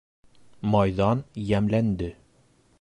Майҙан йәмләнде.